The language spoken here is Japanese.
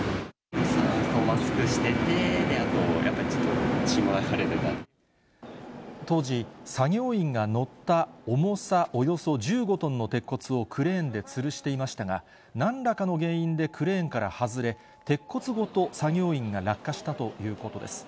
酸素マスクしてて、あと、当時、作業員が乗った重さおよそ１５トンの鉄骨をクレーンでつるしていましたが、なんらかの原因でクレーンから外れ、鉄骨ごと作業員が落下したということです。